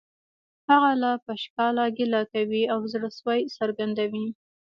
هغه له پشکاله ګیله کوي او زړه سوی څرګندوي